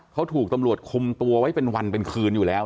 เขาถูกตำรวจคุมตัวไว้เป็นวันเป็นคืนอยู่แล้ว